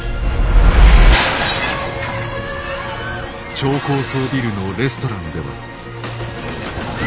超高層ビルのレストランでは。